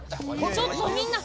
ちょっとみんな！